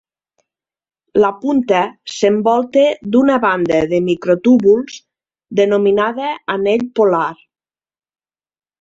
La punta s'envolta d'una banda de microtúbuls denominada anell polar.